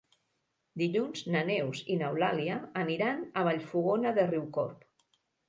Dilluns na Neus i n'Eulàlia aniran a Vallfogona de Riucorb.